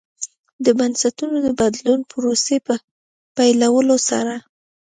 د بنسټونو د بدلون پروسې په پیلولو سره.